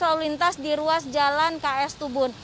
lalu lintas di ruas jalan ks tubun